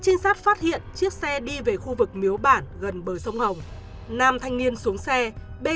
trinh sát phát hiện chiếc xe đi về khu vực miếu bản gần bờ sông hồng nam thanh niên xuống xe bê